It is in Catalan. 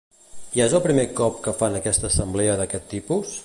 I és el primer cop que fan una assemblea d'aquest tipus?